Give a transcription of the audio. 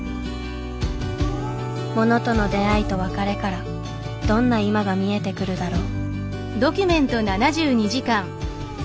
物との出会いと別れからどんな今が見えてくるだろう？